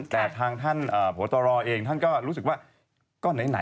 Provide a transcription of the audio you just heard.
แต่ทางท่านผอตรเองท่านก็รู้สึกว่าก็ไหน